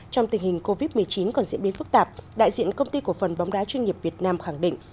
trong tình hình covid một mươi chín còn diễn biến phức tạp đại diện công ty cổ phần bóng đá chuyên nghiệp việt nam khẳng định